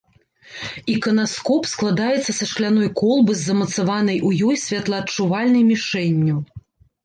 Іканаскоп складаецца са шкляной колбы з замацаванай у ёй святлоадчувальнай мішэнню.